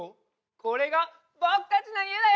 これがぼくたちのいえだよ！